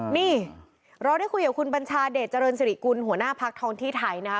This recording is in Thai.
นี่เราได้คุยกับคุณบัญชาเดชเจริญสิริกุลหัวหน้าพักทองที่ไทยนะคะ